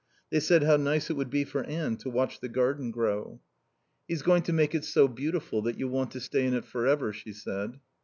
They said how nice it would be for Anne to watch the garden grow. "He's going to make it so beautiful that you'll want to stay in it forever," she said.